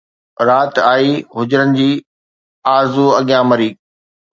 رات آئي، هجرن جي آرزو اڳيان مري